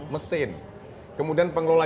mesin kemudian pengelola